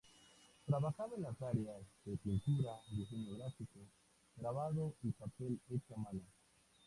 Trabajaba en las áreas de pintura, diseño gráfico, grabado y papel hecho a mano.